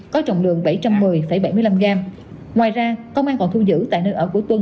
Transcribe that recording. có trọng lượng bảy trăm một mươi bảy mươi năm gram ngoài ra công an còn thu giữ tại nơi ở của tuân